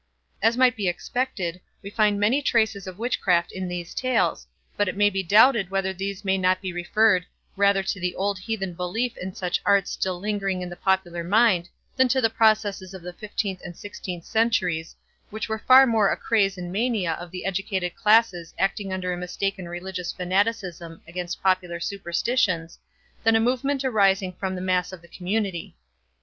As might be expected, we find many traces of witchcraft in these Tales, but it may be doubted whether these may not be referred rather to the old heathen belief in such arts still lingering in the popular mind than to the processes of the fifteenth and sixteenth centuries, which were far more a craze and mania of the educated classes acting under a mistaken religious fanaticism against popular superstitions than a movement arising from the mass of the community.